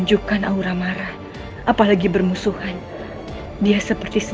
jangan lagi membuat onar di sini